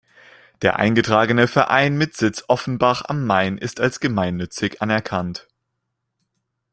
Der eingetragene Verein mit Sitz Offenbach am Main ist als gemeinnützig anerkannt.